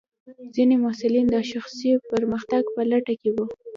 ځینې محصلین د شخصي پرمختګ په لټه کې وي.